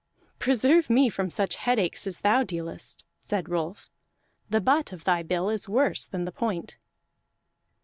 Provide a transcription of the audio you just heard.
"Preserve me from such headaches as thou dealest!" said Rolf. "The butt of thy bill is worse than the point."